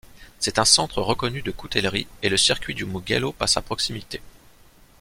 C'est un centre reconnu de coutellerie et le circuit du Mugello passe à proximité.